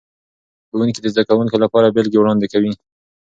ښوونکي د زده کوونکو لپاره بیلګې وړاندې کوي.